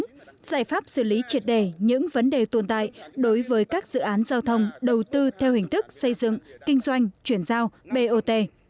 giải pháp xử lý triệt đề những vấn đề tồn tại đối với các dự án giao thông đầu tư theo hình thức xây dựng kinh doanh chuyển giao bot